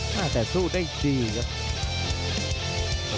แต่สู้ได้ดีครับ